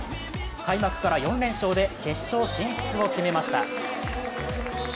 開幕から４連勝で決勝進出を決めました。